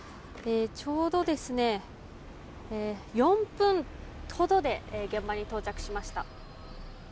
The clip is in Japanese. ちょうど、４分ほどで現場に到着しました。